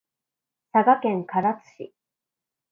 佐賀県唐津市